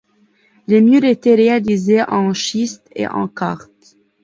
Les murs étaient réalisés en schiste et en quartz.